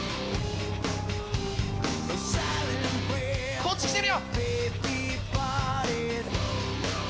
こっち来てる！